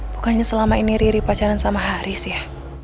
bukannya selama ini riri pacaran sama haris ya